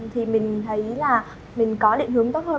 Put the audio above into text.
thì mình thấy là mình có định hướng tốt hơn